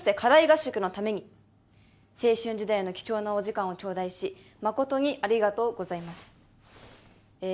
合宿のために青春時代の貴重なお時間を頂戴し誠にありがとうございますえ